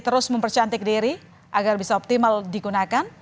terus mempercantik diri agar bisa optimal digunakan